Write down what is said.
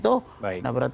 nah berarti kita berpengaruh